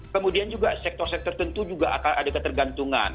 kemudian juga sektor sektor tentu juga akan ada ketergantungan